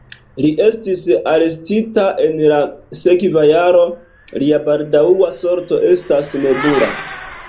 Li estis arestita en la sekva jaro, lia baldaŭa sorto estas nebula.